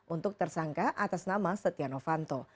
untuk tersangka atas nama satyano fanto